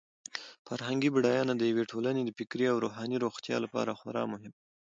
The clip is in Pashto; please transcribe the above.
فرهنګي بډاینه د یوې ټولنې د فکري او روحاني روغتیا لپاره خورا مهمه ده.